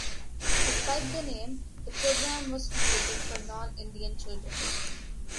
Despite the name, the program was created for non-Indian children.